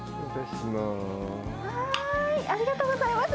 ありがとうございます。